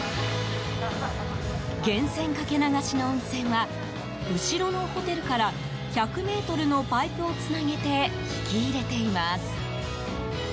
源泉かけ流しの温泉は後ろのホテルから１００ｍのパイプをつなげて引き入れています。